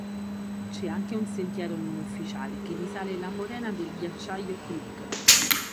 C'è anche un sentiero non ufficiale che risale la morena del ghiacciaio Crook.